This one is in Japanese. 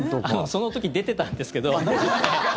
その時出てたんですけど。